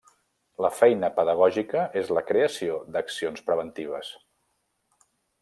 La feina pedagògica és la creació d'accions preventives.